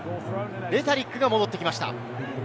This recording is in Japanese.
レタリックが戻ってきました。